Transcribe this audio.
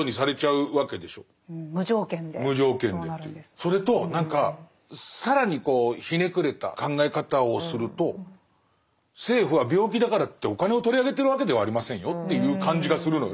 それと更にひねくれた考え方をすると政府は病気だからといってお金を取り上げてるわけではありませんよっていう感じがするのよ。